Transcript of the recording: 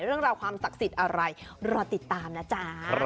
เรื่องราวความศักดิ์สิทธิ์อะไรรอติดตามนะจ๊ะ